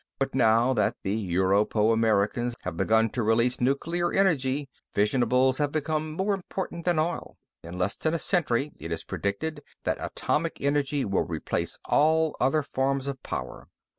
But now that the Europo Americans have begun to release nuclear energy, fissionables have become more important than oil. In less than a century, it's predicted that atomic energy will replace all other forms of power.